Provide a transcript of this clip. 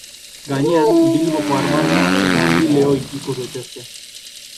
Gainean Bilboko armarria eta bi lehoi ikus daitezke.